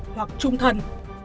hoặc trung thần